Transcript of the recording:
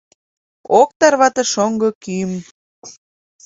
Ок тарвате шоҥго кӱым.